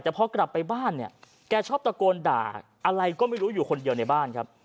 แต่พอกลับไปบ้านเนี่ยแกชอบตะโกนด่าอะไรก็ไม่รู้อยู่คนเดียวในบ้านครับ